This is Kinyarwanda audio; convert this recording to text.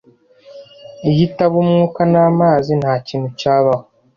Iyo itaba umwuka n'amazi, ntakintu cyabaho.